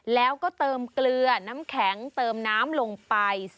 แล้วก็เติมเกลือน้ำแข็งเติมน้ำลงไป